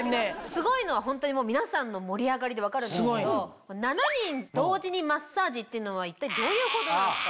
すごいのはホントに皆さんの盛り上がりで分かるんですけど７人同時にマッサージっていうのは一体どういうことなんですか？